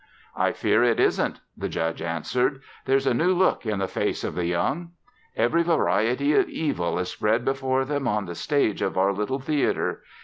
"I fear it isn't," the Judge answered. "There's a new look in the faces of the young. Every variety of evil is spread before them on the stage of our little theater.